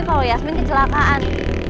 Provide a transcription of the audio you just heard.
kalau yasmin kecelakaan